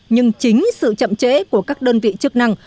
nhưng chính sự chậm chế của các đơn vị chức năng